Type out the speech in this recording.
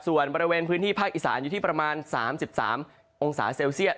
ส่วนบริเวณพื้นที่ภาคอีสานอยู่ที่ประมาณ๓๓องศาเซลเซียต